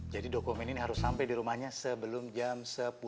jadi dokumen ini harus sampai di rumahnya sebelum jam sepuluh